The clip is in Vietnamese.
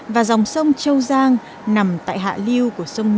và dòng sông châu giang nằm tại hạ liu của sông hà nam